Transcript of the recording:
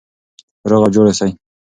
روغ او جوړ اوسئ.